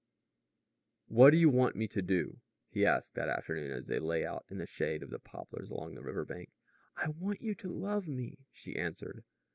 "What do you want me to do?" he asked that afternoon as they lay out in the shade of the poplars along the river bank. "I want you to love me," she answered.